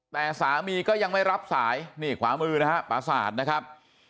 แต่สามีก็ยังไม่รับสายนี่ขวามือนะฮะปราศาสตร์นะครับ